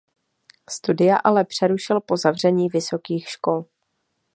Studia ale přerušil po zavření vysokých škol.